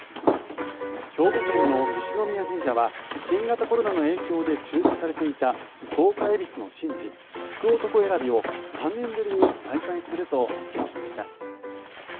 兵庫県の西宮神社は新型コロナの影響で中止されていた十日えびすの神事福男選びを３年ぶりに再開すると発表しました。